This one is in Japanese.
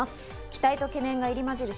期待と懸念が入りまじる